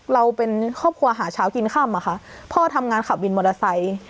เราเป็นครอบครัวหาเช้ากินค่ำอะค่ะพ่อทำงานขับวินมอเตอร์ไซค์